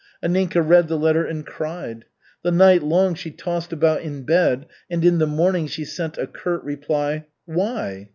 Anninka read the letter and cried. The night long she tossed about in bed, and in the morning she sent a curt reply, "Why?